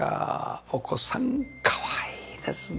お子さんかわいいですね。